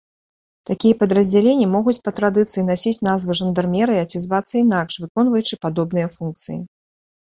Такія падраздзяленні могуць па традыцыі насіць назву жандармерыя ці звацца інакш, выконваючы падобныя функцыі.